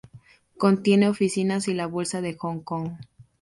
Contiene oficinas y la Bolsa de Hong Kong.